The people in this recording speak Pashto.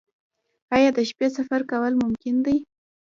آیا د شپې سفر کول ممکن دي؟